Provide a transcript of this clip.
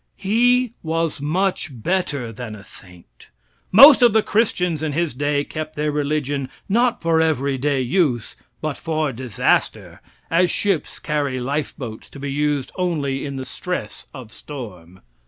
He was much better than a saint. Most of the Christians in his day kept their religion not for everyday use but for disaster, as ships carry lifeboats to be used only in the stress of storm.